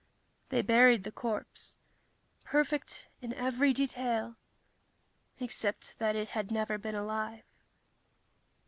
They had buried the corpse perfect in every detail except that it never had been alive.